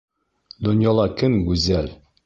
- Донъяла кем гүзәл?